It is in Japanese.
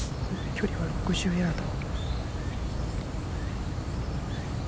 距離は６０ヤード。